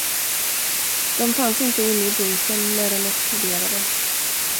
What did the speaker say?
De fanns inte inne i bunkern när den exploderade.